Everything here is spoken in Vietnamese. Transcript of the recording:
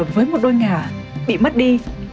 với một đôi ngà bị mất đi